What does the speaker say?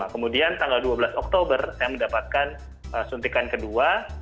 kemudian tanggal dua belas oktober saya mendapatkan suntikan kedua